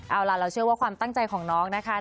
เอาล่ะเราเชื่อว่าความตั้งใจของน้องนะคะ